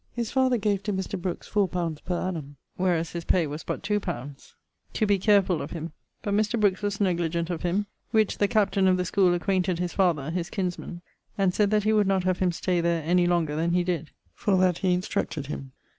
His father gave to Mr. Brookes 4 li. per annum, wheras his pay was but 2 li., to be carefull of him; but Mr. Brokes was negligent of him, which the captain of the school acquainted his father (his kinsman) and sayd that he would not have him stay there any longer than he did, for that he instructed him.